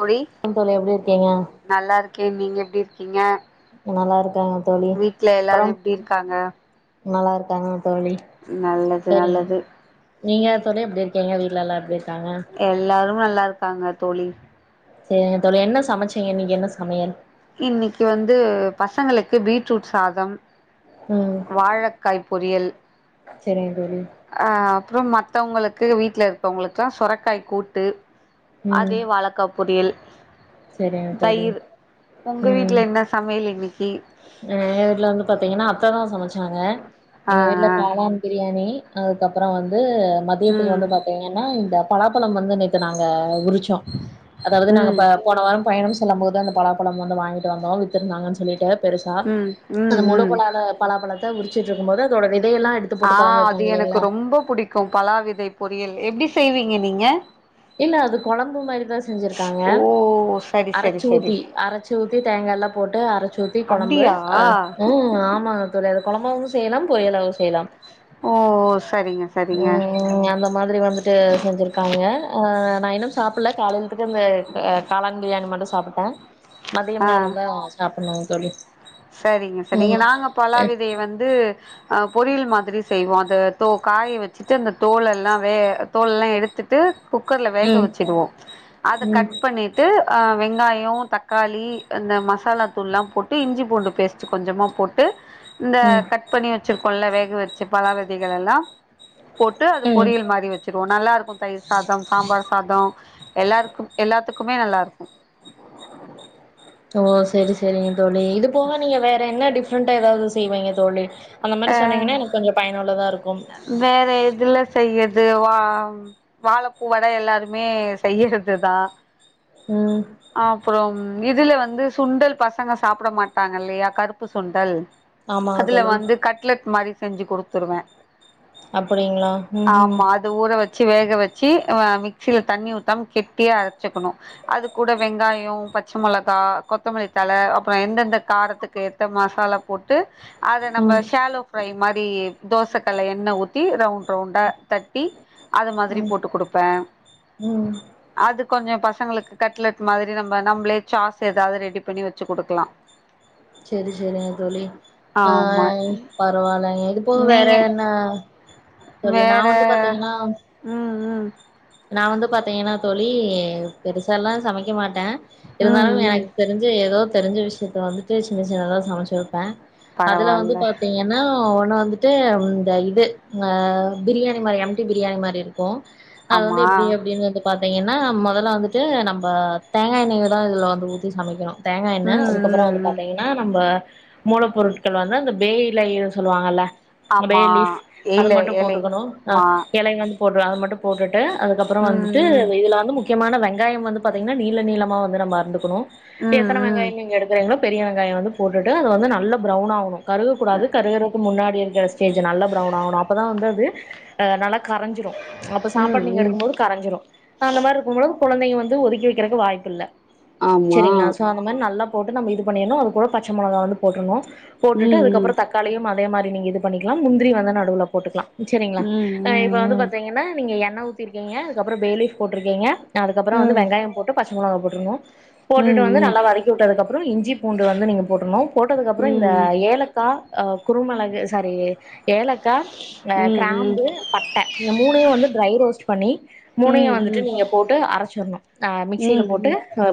தோழி கம் தோழி எப்டி இருக்கீங்க நல்லா இருக்கே நீங்க எப்டி இருக்கீங்க நல்லா இருக்காங்க தோழி வீட்ல அப்பறோ எல்லாரு எப்டி இருக்காங்க நல்லா இருக்காங்க தோழி நல்லது சரிங்க நல்லது நீங்க தோழி எப்டி இருக்கீங்க வீட்லலா எப்டி இருக்காங்க எல்லாரும் நல்லா இருக்காங்க தோழி சரிங்க தோழி என்ன சமைச்சிங்க இன்னைக்கு என்ன சமையல் இன்னைக்கு வந்து பசங்களுக்கு பீட்ரூட் சாதம் ம் வாழைக்காய் பொறியல் சரிங்க தோழி அ அப்றம் மத்தவங்களுக்கு வீட்ல இருக்கவங்களுக்குல்லா சுரைக்காய் கூட்டு ம் அதே வாழக்கா பொரியல் சரிங்க தோழி தயிர் உங்க வீட்ல என்ன சமையல் இன்னைக்கு அ எங்க வீட்ல வந்து பாத்தீங்கன்னா அத்த தா சமச்சாங்க ஆ எங்க வீட்ல ஆ காளான் பிரியாணி அதுக்கப்புறோம் வந்து மதியத்துக்கு ம் வந்து பாத்தீங்க ஏன்னா இந்த பலாப்பழம் வந்து நேத்து நாங்க உரிச்சோ அதாவது நாங்க ம் ப போன வாரம் பயணம் செல்லும் போதான் அந்த பலாப்பழம் வந்து வாங்கிட்டு வந்தோம் வித்திருந்தாங்கன்னு சொல்லிட்டு பெருசா ம் ம் அந்த முழு ம் கொளால பலா பழத்தை உரிச்சிட்டு இருக்கும்போது அதோட விதையெல்லாம் எடுத்து போட்டு குழம்பு வைப்போ இல்லைங்ளா பலாவிதை பொறியல் எப்டி செய்வீங்க நீங்க இல்ல அது குழம்பு மாரிதா செஞ்சிருக்காங்க ஓ சரி சரி அரச்சு சரி ஊத்தி அரச்சு ஊத்தி தேங்கா எல்லாம் போட்டு அரச்சு ஊத்தி குழம்பு அப்டியா உம் ஆமா ஒரு கொழம்பாவும் செய்லாம் பொரியலாவும் செய்லாம் ஓ சரிங்க சரிங்க அது மாதிரி வந்துட்டு செஞ்சுருக்காங்க நா இன்னும் சாப்ட்ல காலையிலத்துட்டு அந்த காளான் பிரியாணி மட்டும் சாப்டுன் மதியம் ஆ நேரோதான் சாப்டணும் தோழி சரிங்க சரிங்க ம் நாங்க பலாவிதைய வந்து பொரியல் மாதிரி செய்வோம் அந்த தோ காய வச்சுட்டு அந்த தோல எல்லாம் வே தோலெல்லாம் எடுத்துட்டு குக்கர்ல வேக ம் வச்சுடுவோம் அத ம் கட் பண்ணி டு வெங்காயோம் தக்காளி இந்த மசாலா தூள்லாம் போட்டு இஞ்சி பூண்டு பேஸ்ட் கொஞ்சமா போட்டு இந்த ம் கட் பண்ணி வச்சிருக்கோல வேக வச்சு பலாவிதைகள் எல்லா போட்டு அது ம் பொரியல் மாரி வச் ச்சுருவோ நல்லா இருக்கும் தயிர் சாதம் சாம்பார் சாதம் எல்லாருக்கும் எல்லாத்துக்குமே நல்லா இருக்கும் ஓ சரி சரிங்க தோழி இது போக நீங்க வேற என்ன டிஃப்ரெண்டா ஏதாவது செய்வீங்க தோழி அந்த மாரி அ சொன்னீங்கன்னா எனக்கு கொஞ்சம் பயனுள்ளதா இருக்கும் வேற எதுல செய்யது வா வாழைப்பூ வடை எல்லாருமே செய்றதுதா உம் அப்புறம் இதுல வந்து சுண்டல் பசங்க சாப்ட மாட்டாங்க இல்லையா கருப்பு சுண்டல் ஆமாங்க அதுல தோழி வந்து கட்லெட் மாரி செஞ்சு குடுத்துருவேன் அப்டிங்களா உம் ம் அது ஊற வச்சு வேக வச்சு மிக்சியில தண்ணி ஊத்தாம கெட்டிய அரச்சுக்கணும் அது கூட வெங்காயம் பச்ச மெளகா கொத்தமல்லித்தழ அப்றம் எந்தெந்த காரத்துக்கு ஏத்த மசாலா போட்டு அத நம்ம ம் ஷேலோ ஃப்ரை மாரி தோச கல்ள எண்ணெ ஊத்தி ரவுண்ட் ரவுண்டா தட்டி அது மாதிரி ம் போட்டு குடுப்பேன் ம் அது கொஞ்சோ பசங்களுக்கு கட்லெட் மாதிரி நம்ம நம்மளே சாஸ் ஏதாவது ரெடி பண்ணி வச்சு குடுக்கலா [inaudible] சரி சரிங்க தோழி ஆ ஆமா பரவாயில்லைங்க இது போக வேற நீங்க என்ன சொல்லு நா வந்து பாத்தீங்கன்னா உம் உம் நா வந்து பாத்தீங்கன்னா தோழி பெருசா எல்லா சமைக்க மாட்டே ம் இருந்தாலும் ம் எனக்கு தெரிஞ்ச ஏதோ தெரிஞ்ச விஷயத்த வந்துட்டு சின்ன சின்னதா சமச்சி வப்பே அதுல வந்து பரவால்ல பாத்தீங் ன்னா ஒன்னு வந்துட்டு இந்த இது அ பிரியாணி மாதி எம்டி பிரியாணி மாரி இருக்கு அது வந்து ஆமா எப்டி அப்டின்னு வந் து பாத்தீங்கன்னா மொதல்ல வந்துட்டு நம்ம தேங்கா எண்ணய தா இதுல வந்து ஊத்தி சமைக்கணு தேங்கா ம் எண்ணெ அதுக்கப்புற ம் ம் பாத்தீங்கன்னா நம்ம மூலப்பொருட்கள் வந்து அந்த பே இலைனு சொல்லுவாங்கல்ல பே ஆமா லீஃப் அது ஏல மட்டு ஏழை போட்டுக்கணு ஆ மா எலை வந்து போடு அத மட்டு போட்டுட்டு அதுக்கப்புற வந்துட்டு ம் வெயில வந்து முக்கியமான வெங்காயம் வந்து பாத்தீங்கன்னா நீள நீளமா வந்து நம்ம அறுந்துக்கணு ம் எத்தன ம் வெங்காயம் நீங்க எடுக் குறீங்களோ பெரிய வெங்காய வந்து போட்டு அது வந்து நல்ல ப்ரவ்ன் ஆகனு கருகக்கூடாது கருகுறதுக்கு முன்னாடி இருக்கிற ஸ்டேஜ் நல்லா ப்ரவுன் ஆகணு அப்போதா வந்து அது அ நல்லா கரஞ்சிரு அப்ப சாப்பாடு ம் நீங்க ம் எடுக்கும்போது கரஞ்சிரு அந்த மாரி இருக்கும்போது கொழந்தைங்க வந்து ஒதுக்கி வக்கிறதுக்கு வாய்ப்பு இல்ல ஆமா சரிங்களா அ அந்த மாதிரி நல்லா போட்டு நம்ம இது பண்ணிணு அது கூட பச்சமொளகா வந்து போட்றுனு போட்டுட்டு ம் அதுக்கப்புற தக் காளியும் அதே மாரி நீங்க இது பண்ணிக்கலா முந்திரி வந்து நடுவுல போட்டுக்கலா சரிங்களா ம் ம் அ இப்ப வந்து ம் பாத்தீங்கன்ன நீங்க எண்ணெ ஊத்திருக்கீங்க அதுக்கப்புற பே ஃலீப் போட்டுருக்கீங்க அதுக்கப்புற வந்து ம் ம் ம் ம் வெங்காயம் போட்டு பச் ச மொளகா போட்றுனு போட்டுட்டு ம் வந்து ம் ம் நல்லா வதக்கி விட்டதுக்கு அப்புற இஞ்சி பூண்டு வந்து நீங்க போட்றுனு போட்டதுக்கு அப்புற இந்த ஏலக்காய் அ குருமெளகு சாரி ஏல க்கா ம் கிராம்பு பட்ட இந்த மூணையு வந்து ட்ரை ரோஸ்ட் பண்ணி மூணையு வந்துட்டு நீங்க போட்டு அரச்சிரணு மிக்சில போட்டு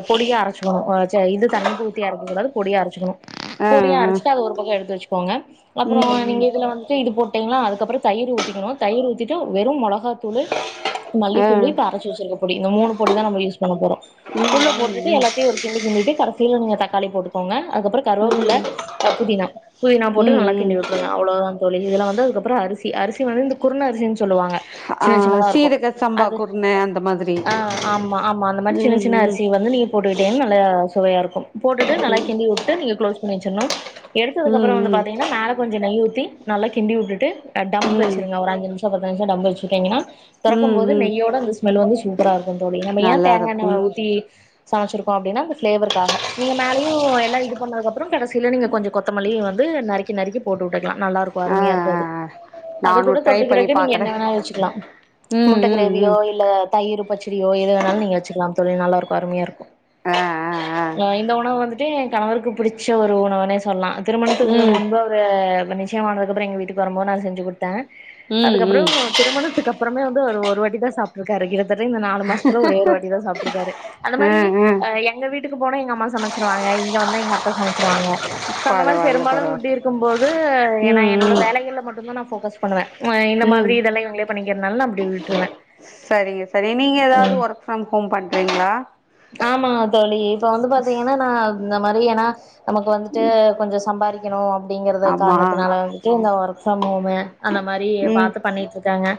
பொடியா அரைச்சிக்கணு ச இது தண்ணி ஊத்தி அரைக்ககூடாது பொடிய அரச்சிக்கணு பொடியா அரச்சிட்டு அது ம் ஒரு பக்க எடுத்து வச்சுக்கோங்க ம் அப்புற நீங்க ம் இதுல வந்துட்டு இது போட்டு ங்கள அதுக்கப்புற தயிர் ஊத்திக்கணு தயிர் ஊத்திட்டு வெறும் மொளகா தூளு ஆ ஆ ம் ம் ஆ மல்லித்தூளு இப்ப அரச்சி வச்சிருக்க பொடி இந்த மூணு பொடி தா நம்ம யூஸ் பண்ண போறோ உள்ள போட்டுட்டு எல்லாத்தையு ஒரு கிண்டு கிண்டிட்டு கடைசியில நீங்க தக்காளி போட்டுக்கோங்க அதுக்கப்புற ம் ம் கருவாப்புள்ள அ புதினா புதினா போட்டு நல்லா கிண்டி ம் விட் றனு அவ்ளோதா தோழி இதுல வந்து அதுக்கப்புற அரிசி அரிசி வந்து இந்த குருண அரிசின்னு சொல்லுவாங்க ஆ சின்ன சின்னதா இருக்கு சீரக சம்பா அது குருண அந்த மாதிரி ஆ ஆமா ஆமா அந்த மாரி ம் சின்ன ம் சின்ன ம் அரிசி வந்து நீ போட்டுக்கிட்டேன்னு நல்லா சுவையா இருக்கு போட்டுட்டு நல்லா கிண்டி ட்டு நீங்க க்ளோஸ் பண்ணி வச்சிர்னு ம் எடுத்ததுக்கப்புற வந்து பாத்திங்கன்ன மேல கொஞ்ச நெய் ஊத்தி நல்லா கிண்டி உட்டுட்டு அ டம் ம் வச்சிருங்க ஒரு அஞ்சு நிமிஷ பத்து நிமிஷம டம் வச்சுட்டீங்கன்னா தொறக்கும் ம் போது ம் நெய்யோட அந்த ஸ்மெல் வந்து சூப்பரா இருக்கு தோழி நம்ம ஏ நல்லா தேங்கா எண்ணய இருக்கும் ஊத்தி சமச்சிருக்கோ அப்டின்னா அந்த ஃபிளேவருக்காக நீங்க மேலயு எல்லா இது பண்ணதுக்கப் றோ கடசில நீங்க கொஞ்ச கொத்தமல்லி வந்து நறுக்கி நறுக்கி போட்டுவுட்டுக்கலா நல்லா இருக்கு ஆ அருமையா இருக்கு ஆ அது ஆ அது நானு கூட ட்ரை பண்ணி தொட்டுக்குறதுக்கு நீங்க பாக்குறே என்ன வேணாலு யூ லா ம் முட்ட ம் கிரேவியோ ம் இல் இல்ல தயிர் பச்சடியோ எது வேணாலு நீங்க வச்சுக்கலா தோழி நல்லாருக்கு அருமையா இருக்கு ஆ ஆ ஆ அ இந்த உணவு வந்துட்டு எ கணவருக்கு புடிச்ச ஒரு உணவுனே சொல்லலா திருமணத்துக்கு ம் முன்பு அவரு நிச்சயமானதுக்கப்புற எங்க வீட்டுக்கு வரும்போது நா செஞ்சு குடுத் தே ம் அதுக்கப்புற ம் திருமணத்துக்கு அப்புறமே வந்து ஒரு ஒரு வாட்டி தா சாப் டுருக்காரு கிட்டத்தட்ட இந்த நாலு மாசத்துல ஒரே ஒரு வாட்டி தா சாப்ட்ருக்காரு அந்த மாரி ம் ம் அ எங்க வீட்டுக்கு போனா எங்க அம்மா சமச்சிருவாங்க இங்க வந்தா எங்க அத்த சமச்சிருவாங்க சோ அந்த மாரி பரவால்ல பெரும்பாலு பரவால்ல இப்டி இருக்கும் போது எ நா ம் என்னோட ம் வேலைகள்ல மட்டும்தா நா ஃபோக்கஸ் பண்ணுவே அ இந்த ம் மாரி இதெல்லா இவுங்களே பண்ணிக்கிறதுனால நா அப்டியே விட்ருவே சரிங்க சரி நீங்க ஏதாவது ஒர்க் ஃப்ரம் ஹோம் பண்றீங்களா ஆமா தோழி இப்ப வந்து பாத்தீங்கன்னா நா இந்த மாரி ஏன்னா நமக்கு வந்துட்டு கொஞ்ச சம்பாரிக்குணு அப்டிங்கறத ஆமா காரணத்தினால இந்த ஒர்க் ஃப்ரம் ஹோமு அந்த மாரி ம் பாத்து பண்ணிட்டுருக்காங்க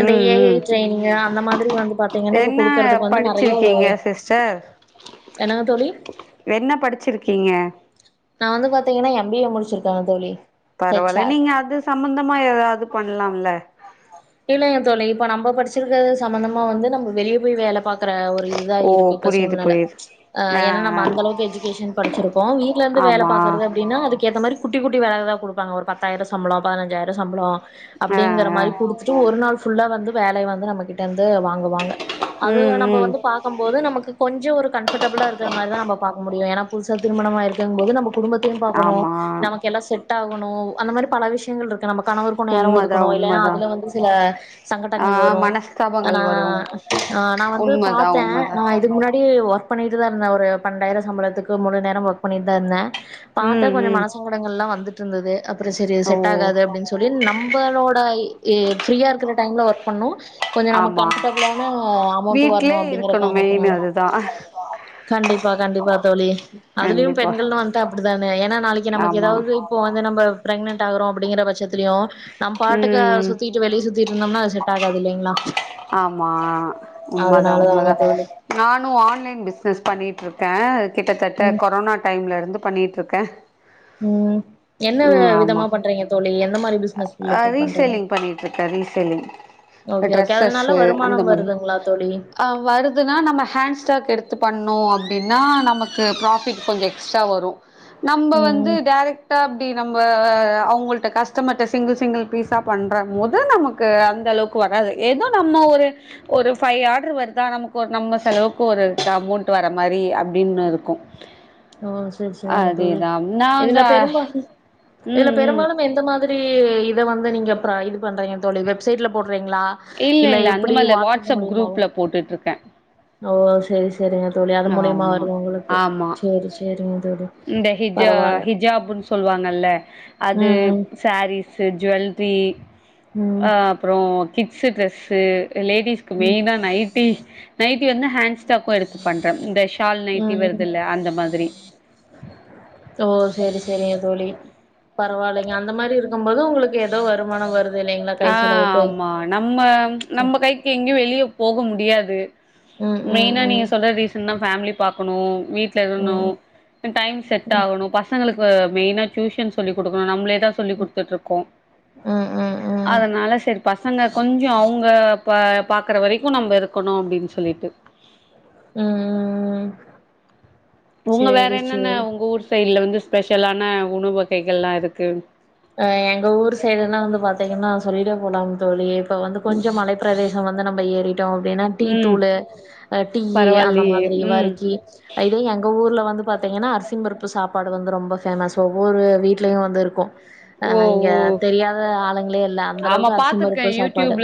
இந்த ம் ஏ ஐ ம் ட்ரைனிங்கு அந்த மாதிரி வந்து பாத்தீங்கன்னா இப்ப என்ன குடுக்குறதுக்கு வந்து நெறைய ஒரு படிச்சிருக்கீங்க சிஸ்டர் என்னங்க தோழி என்ன படிச்சிருக்கீங்க நா வந்து பாத்தீங்கன்னா எம் பி ஏ முடிச்சிருக்கே தோழி ஹெச் பரவால்ல ஆர் நீங்க அது சம்பந்தமா ஏதாவது பண்ணலாம்ல இல்லைங்க தோழி இப்ப நம்ம படிச்சிருக்க சம்பந்தமா வந்து நம்ம வெளிய போய் வேல பாக்குற வொர் இதுதா ஓ இருக்கு இப்ப புரியுது சூழ்நெல புரியுது ஆ ஏன்ன நம்ம அந்தளவுக்கு எஜுகேஷன் படிச்சிருக்கோ வீட்ல இருந்து வேல ஆமா பாக்குறது அப்டின்னா அதுக்கு ஏத்த மாரி குட்டி குட்டி வேல தா குடுப்பாங்க ஒரு பத்தாயிர சம்பளோ பதனஞ்சாயிரோ சம்பளோ ஆ அப்டிங்கற ஆ மாரி குடுத்து ஒரு நாள் ஃபுல்லா வந்து வேலை வந்து நம்மகிட்டருந்து வாங்குவாங்க அது வ ம் நம்ம ம் வந்து பா போது நமக்கு கொஞ்ச ஒரு கம்பஃப்ர்டபுளா இருக்க மாரி தா நம்ம பாக்க முடியு ஏன்னா புதுச திருமணமாயிருக்கும் போது நமக் குடும்பத்தையு பாக்கணு ஆமா நமக்கு எல்லா செட்டாகணு அந்த மாரி பல விஷயங்கள் இரு நம்ம கணவருக்கு நேரோ உண்மதா ஒதுக்கணு இல்லன்னா உண்மதா அதுல வந்து சில ஆ சங்கட்டங்கள் வரு மனஸ்தாபங்கள் நா வரும் ஆ நா வந்து உண்மதா பாத்தே உண்மதா நா இதுக்கு முன்னாடி ஒர்க் ஒர்க் பண்ணிட்டு தா இருந்தே ஒரு பண்டாயிருவ சம்பளத்துக்கு முழு நேரம் ஒர்க் பண்ணிட்டு தா இருந்தே பாத்தே ம் கொஞ்ச ம் மனச சாங்கடங்கள் எல்லா வந்துட்டு இருந்தது அப்ரோ சரி இது ஓ செட் ஆகாது அப்டின்னு சொல்லி நம்பளோட இ ஃப்ரீயா இருக்கற டைம்ல ஒர்க் பண்ணு கொஞ்சம நமக்கு ஆமா கம்ஃபர்டபிளாண அமௌண்ட்டு வரணு வீட்லே அப்டிங்கற இருக்கணு மெயின் காரணத்தினால அதுதா கண்டிப்பா கண்டிப்பா தோழி அதுலயும் கண்டிப்பா பெண்கள்னு வந்துட்டா அப்டித்தானே ஏன்னா நாளைக்கு நமக்கு ஆமா ஏதாவது இப்போ வந்து நம்ம பிரெக்னட் ஆகறோ அப்டிங்கிற பட்சத்திலு நம் பாட்டுக்கு ம் சுத் வெளிய சுத்திட்ருந்தோம்ன்னா அது செட் ஆகாது இல்லீங்ளா ஆமா உண்மதா உண்மதா தோழி நானு ஆன்லைன் பிஸ்னஸ் பண்ணிட்டுருக்கே கிட்டத்தட்ட ம் கொரோனா டைம்லருந்து பண்ணிட்டுருக்கே ம் என்ன விதமா பண்றீங்க தோழி எந்த மாரி பிசினஸ் அ ரிலேடட்டா ரீசேலிங் பண்ணிட்டுருக்க ரீசெல்லிங் ஓகே ஓகே அத்ல நல்ல வருமானம் வருதுங்களா தோழி அ வருதுன்னா நம்ம ஹேண்ட்ஸ்டாக் எடுத்து பண்ணோ அப்டின்னா நமக்கு ப்ராஃபிட் கொஞ்சொ எக்ஸ்ட்ரா வரு நம்ம ம் வந்து ம் டேரக்ட் ட்டா அப்டி நம்ப அவுங்கள்ட கஷ்டம்ர்டா சிங்கிள் சிங்கிள் பீஸா பண்ற போது நமக்கு கு அந்த அளவுக்கு வராது ஏதோ நம்ம ஒரு ஒரு ஃபைவ் ஆர்டரு வருதா நமக்கு ஒரு நம்ம செலவுக்கு ஒரு அமௌண்ட் வர மாரி அப்டின்னு இருக்கு ஓ சேரி சேரிங் தோழி அதேதா நா இதுல வந்து பெரும்பால் இதுல ம் ம் பெரும்பாலு இப்ப எந்த மாதிரி இத வந்து நீங்க இது பண்றீங்க தோழி வெப்சைட்ல போடுறிங்களா இல்ல இல்ல அந்த மாரி இல வாட்ஸ்அப் குரூப்ல போட்டுட்டு இருக்கே ஓ சேரி செரிங்க தோழி அது மூலியமா ஆமா வருது உங்களுக்கு ஆமா செரி செரிங்க தோழி இந்த ஹிஜா பரவால்ல ஹிஜாப்ன்னு சொல்லுவாங்கல்ல அது ம் ம் சேரீஸ்சு ஜுவல்லரி ம் அ அப்ரோ கிட்ஸ் ட்ரெஸ்சு லேடிஸ்க்கு ம் மெயின்னா நைட்டி நைட்டி வந்து ஹேண்ட்ஸ் ஸ்டாக்கு எடுத்து பண்றே இந்த ஷால் நைட்டி ம் ம் வருதுல்ல அந்த மாரி ஓ சேரி சேரிங்க தோழி பரவாயில்லைங்க அந்த மாரி இருக்கும் போது உங்களுக்கு ஏதோ வருமானோ வருது இல்லைங்களா கை ஆ செலவுக்கு ஆமா நம்ம நம்ம கைக்கு எங்கையு வெளியே போக முடியாது ம் ம் மெயினா ம் நீங்க ம் சொன்ன சொல்ல ரிசான்னா பேமிலி பாக்னு வீட்ல ம் இருகுனு டைம் செட்டா ஆகணு செட் பசங்களுக்கு மெயினா டியூஷன் சொல்லி கொடுக்கணு நம்மளேதா சொல்லி் கொடுத்துட்ருக்கோ ம் ம் ம் அதனால சேரி பசங்க கொஞ்சோ அவ்ங்க பாக்குற வரைக்கு நம்ப இருக்கணு அப்டின்னு சொல்லிட்டு ஆஆஆ ஒங்க வேற என்னன்ன உங்க ஊர் சைட்ல வந்து ஸ்பெஷலான உணவு வகைகள் ல் லா இருக்கு எங்க ஊர் சைடு எல்லா வந்து பாத்தீங்கன்னா சொல்லிட்டே போலாம் தோழி இப்ப வந்து கொஞ்சம் மலை ப்ரதே வந்து நம்ம ஏறிடோ அப்டின்னா டீ ம் தூளு டீ அந்த பரவாயில்லையே மாதிரி ம் வறுக்கி இதே எங்க ஊர்ல வந்து பாத்தீங்கன்னா அரிசி பருப்பு சாப்பாடு வந்து ரொம்ப பேமஸ் ஒவ்வொரு வீட்லையு வந்து இருக்கு அ ஓ இங்க ஓ தெரியாத ஆளுங்களே இல்ல அந்தளவுக்கு அரிசி பருப்பு சாப்பாடு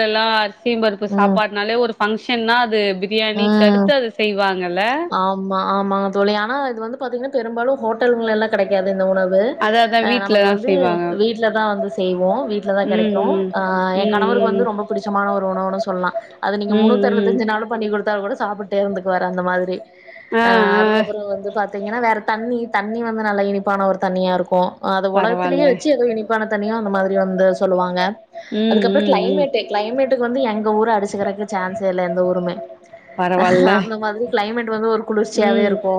சியு பருப்பு ம் சாப்பாடு னாலே ஒரு ஃபங்க்ஷ்ன்னா அது பிரியாணிக்கு ம் அடுத்து அது செய்வாங்கல ஆமா ஆமாங்க தோழி ஆனா இது வந்து பாத்தீங்கன்னா பெரும்பாலு ஹோட்டல்கலெல்லா கெடைக்காது இந்த உணவு அத அதா ஆ நமக்கு வீட்லதா வந்து செய்வாங்க வீட்ல தா வந்து செய்வோ வீட்லதா கெடைக்கு ம் ஆ எ கணவருக்கு ம் ம் வந்து ரொம்ப புடிச்சமான ஒரு உணவு ன்னு சொல்லா அது நீ ங்க ம் ம் முன்னூத் ம் அறுவத்தஞ்சு நாளு பண்ணி கொடுத்தாலு கூட சாப்ட்டே இருந்துக்குவாரு அந்த மாதிரி ஆ அ அதுக்கு ஆ அப்புறோ வந்து பாத் ஏன்னா வேற தண்ணி தண்ணி வந்து நல்லா இனிப்பான ஒரு தண்ணியா இருக்கு அது உலகத்திலேயே பரவால்ல ச்சி எது இனிப்பான தண்ணியோ அந்த மாதிரி வந்து சொல்லுவாங்க ம் அதுக்கப்புரோ ம் ம் கிளைமேட்டு கிளைமேட்டுக்கு வந்து எங்க ஊரு அடிச்சிகிறக்கு சான்ஸே இல்ல எந்த ஊருமே பரவால்ல அந்த மாதிரி க்ளைமேட் வந்து ஒரு குளிர்ச்சியாவே ம் இருக்கு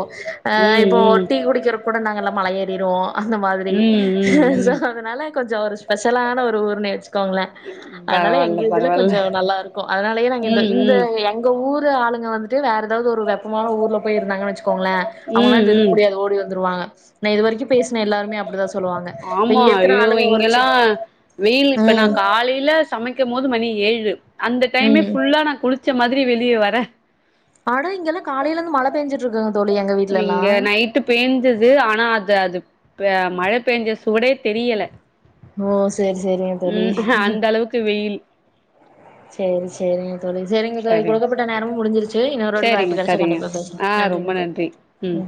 அ ம் இப்போ ஒரு ம் டீ குடிக்கிறப் போ கூட நாங்க எல்லா மல ஏறிருவோ அந்த மாதிரி ம் ம் ம் அதனால கொஞ்சோ ஒரு ஸ்பெஷல்லான ஒரு ஊருனே வச்சுக்கோங்களே அதனால எங்க பரவால்ல இதுல பரவால்ல கொஞ்சோ நல்லா இருக்கு அதனாலயே நாங்க ம் இந்த ம் உங்க ஊரு ஆளுங்க வந்துட்டு வேற ஏதாவ்து ஒரு வெப்பமான ஊர்ல போயி இருந்தாங்கன்னு வச்சுக்கோங்களே ம் அவ்ங்களால இருக்க ம் முடியாது ஓடி வந்துருவாங்க நா இது வரைக்கு பேசின எல்லாருமே அப்டிதா சொல்லுவாங்க இப்ப ஆமா இங்க இருக்கிற ஐயோ ஆளுங்க ஒரு சி இங்கல்லா வெயில் இப்ப நா ம் கா காலையில சமைக்கும் போது மணி ஏழு அந்த டைமே ம் ஃபுல்லா நா குளிச்ச மாதிரி வெளிய வரே ஆனா இங்கல்லா காலையில இருந்து மழ பெஞ்சிட்டு இருக்குங்க தோழி எங்க வீட்லல்லா இங்க நைட்டு பேஞ்சது ஆனா அது அது மழ பெஞ்ச சுவடே தெரியல ஓ சேரி சேரிங்க தோழி ம் அந்த அளவுக்கு வெயில் சேரி சேரிங்க தோழி சேரிங்க தோழி சரிங்க குடுக்கப்பட்ட நேரமு முடிஞ்சிருச்சு ச்சு இன்னொரு‌ வாட்டி சரிங்க வாய்ப்பு கிடச்சா சரிங்க கண்டிப்பா பேசலா ஆ ரொம்ப நன்றிங்க நன்றி தோழி ம்